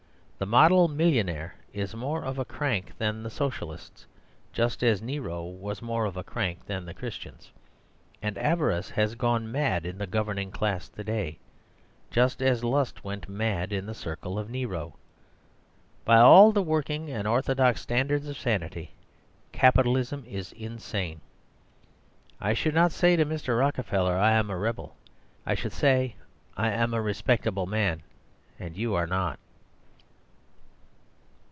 The model millionaire is more of a crank than the Socialists; just as Nero was more of a crank than the Christians. And avarice has gone mad in the governing class to day, just as lust went mad in the circle of Nero. By all the working and orthodox standards of sanity, capitalism is insane. I should not say to Mr. Rockefeller "I am a rebel." I should say "I am a respectable man: and you are not."